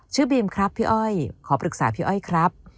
บีมครับพี่อ้อยขอปรึกษาพี่อ้อยครับ